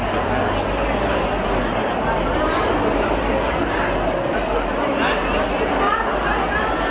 จะทำแล้วต้องขอบคุณมาก